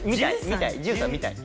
見たい。